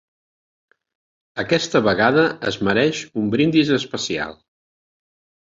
Aquesta vegada es mereix un brindis especial.